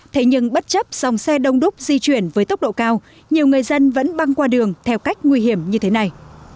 thế nhưng bất chấp dòng xe đông đúc di chuyển với tốc độ cao nhiều người dân vẫn băng qua đường theo cách nguy hiểm như thế này